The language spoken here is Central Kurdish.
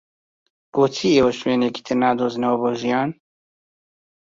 بۆچی ئێوە شوێنێکی تر نادۆزنەوە بۆ ژیان؟